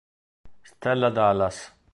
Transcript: Stella Dallas